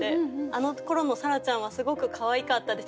「あのころの沙羅ちゃんはすごくかわいかったで」。